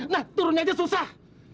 nah turunnya aja susah